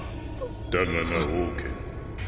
だがなオウケン